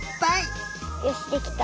よしできた。